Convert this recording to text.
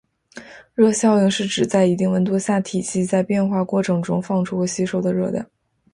热效应是指在一定温度下，体系在变化过程中放出或吸收的热量。